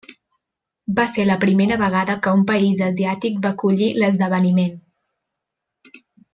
Va ser la primera vegada que un país asiàtic va acollir l'esdeveniment.